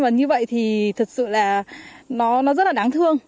và như vậy thì thật sự là nó rất là đáng thương